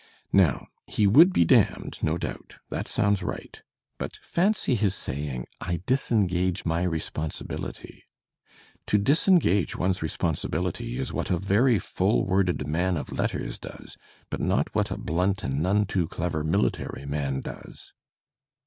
Now he would be damned, no doubt; that sounds right; but fancy his saying, "I disengage my responsibility!" To disengage one's responsibility is what a very full worded man of letters does, but not what a blunt and none too clever military man does.